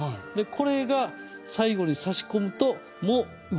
これが最後に差し込むと。